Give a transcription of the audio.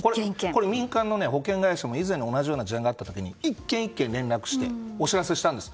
民間の保険会社も以前も同じような事案があった時に１件１件お知らせしたんです。